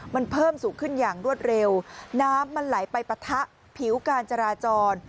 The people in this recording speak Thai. มันเพิ่มสูงขึ้นอย่างรวดเร็วน้ำมันไหลไปปะทะผิวการจราจร